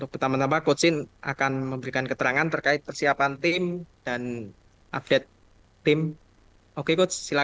pertama tama coach sin akan memberikan keterangan terkait persiapan tim dan update tim oke coach silakan